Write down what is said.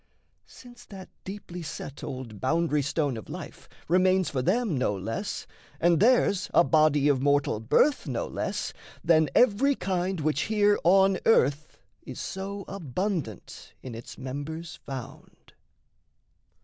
Since that deeply set Old boundary stone of life remains for them No less, and theirs a body of mortal birth No less, than every kind which here on earth Is so abundant in its members found.